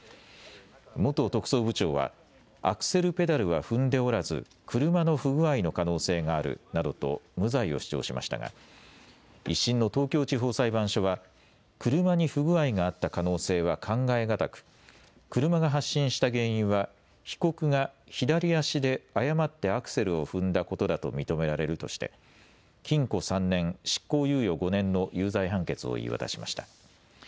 元特捜部長はアクセルペダルは踏んでおらず車の不具合の可能性があるなどと無罪を主張しましたが１審の東京地方裁判所は車に不具合があった可能性は考えがたく車が発進した原因は被告が左足で誤ってアクセルを踏んだことだと認められるとして禁錮３年、執行猶予５年の有罪判決を言い渡しました。